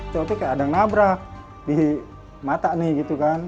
contohnya kayak ada nabrak di mata nih gitu kan